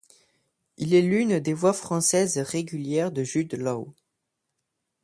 Il est l'une des voix françaises régulières de Jude Law.